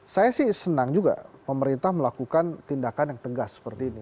saya sih senang juga pemerintah melakukan tindakan yang tegas seperti ini